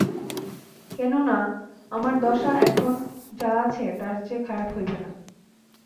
কেননা, আমার দশা এখন যা আছে তার চেয়ে খারাপ হইবে না।